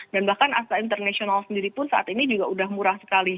dan bahkan asal international sendiri pun saat ini juga udah murah sekali